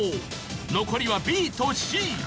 残りはＢとＣ。